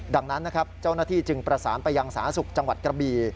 ดังนั้นนะครับเจ้าหน้าที่จึงประสานไปยังสาธารณสุขจังหวัดกระบี